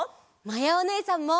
まやおねえさんも。